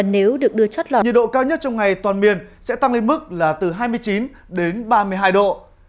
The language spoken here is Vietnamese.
nhiệt độ cao nhất trong ngày toàn miền sẽ tăng lên mức là từ hai mươi chín đến ba mươi hai độ